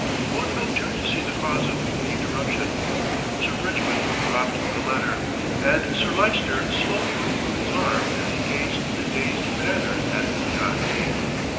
Both men turned to see the cause of the interruption. Sir Bridgman dropped the letter, and Sir Lyster slowly withdrew his arm as he gazed in a dazed manner at John Dene.